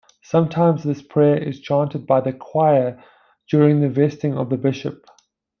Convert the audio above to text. Sometimes this prayer is chanted by the choir during the vesting of the bishop.